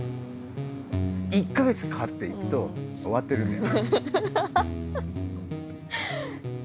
１か月かかって行くと終わってるんだよ。